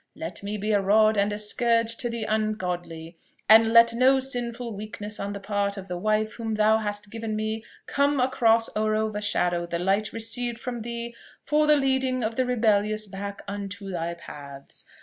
Let me be a rod and a scourge to the ungodly; and let no sinful weakness on the part of the wife whom thou hast given me come across or overshadow the light received from thee for the leading of the rebellious back unto thy paths.